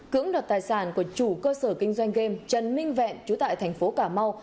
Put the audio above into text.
cưỡng đoạt tài sản của chủ cơ sở kinh doanh game trần minh vẹn chú tại thành phố cà mau